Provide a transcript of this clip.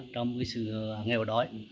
trong cái s resolutions nghèo đói